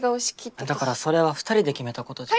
だからそれは２人で決めたことじゃん。